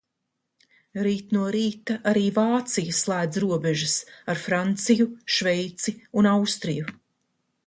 Rīt no rīta arī Vācija slēdz robežas - ar Franciju, Šveici un Austriju.